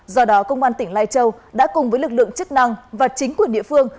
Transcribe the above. do đó công an tỉnh lai châu đã cùng với lực lượng chức năng và chính quyền địa phương